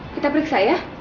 kita periksa ya